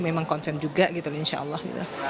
memang konsen juga insya allah